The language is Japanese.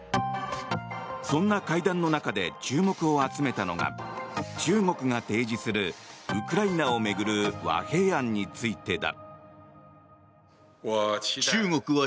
そんな会談の中で注目を集めたのが中国が提示するウクライナを巡る和平案についてだ。